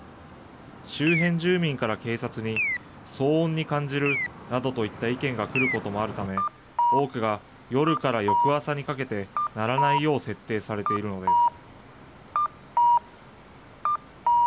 周辺住民から警察に、騒音に感じるなどといった意見が来ることもあるため、多くが夜から翌朝にかけて、鳴らないよう設定されているのです。